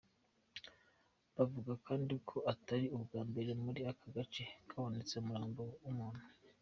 Bavuga kandi ko atari ubwa mbere muri ako gace habonetse umurambo w’ umuntu.